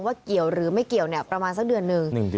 เกี่ยวหรือไม่เกี่ยวเนี่ยประมาณสักเดือนหนึ่ง